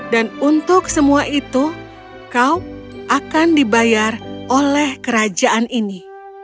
dan untuk semua itu kau akan dibayar oleh kerajaan ini